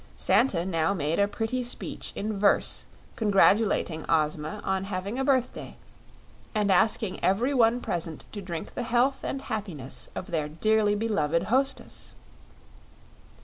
Santa now made a pretty speech in verse, congratulating Ozma on having a birthday, and asking every one present to drink to the health and happiness of their dearly beloved hostess.